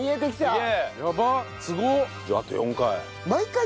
あと４回。